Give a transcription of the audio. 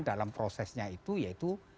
dalam prosesnya itu yaitu